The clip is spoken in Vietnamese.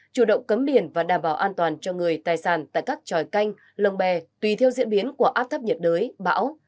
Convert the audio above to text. chủ động cấm biển và đảm bảo an toàn cho người tài sản tại các tròi canh lồng bè tùy theo diễn biến của áp thấp nhiệt đới bão